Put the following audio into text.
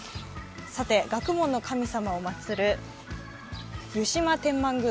さて、学問の神様をまつる湯島天満宮。